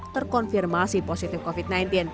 terkonfirmasi positif covid sembilan belas